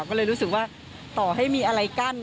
ก็เลยรู้สึกว่าต่อให้มีอะไรกั้น